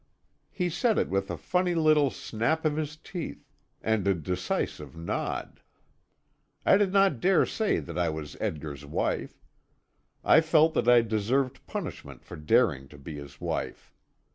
He said it with a funny little snap of his teeth, and a decisive nod. I did not dare say that I was Edgar's wife. I felt that I deserved punishment for daring to be his wife.